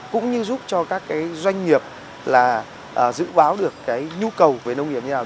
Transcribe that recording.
cũng như giúp cho các doanh nghiệp giữ báo được nhu cầu về nông nghiệp như thế nào